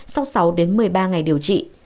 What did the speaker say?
sau sáu đến một mươi ba ngày điều trị